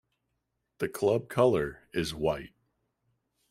The club colour is white.